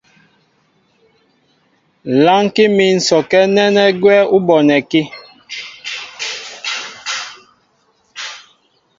Lánkí mín sɔkɛ́ nɛ́nɛ́ gwɛ́ ú bonɛkí.